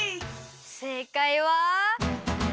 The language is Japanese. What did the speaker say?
せいかいは。